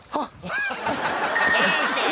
大丈夫ですか？